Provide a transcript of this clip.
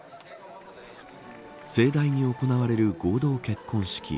盛大に行われる合同結婚式。